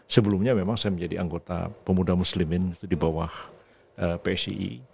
sebelumnya memang saya menjadi anggota pemuda muslimin di bawah psi